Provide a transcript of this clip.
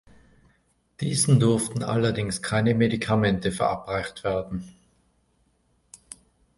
Diesen durften allerdings keine Medikamente verabreicht werden.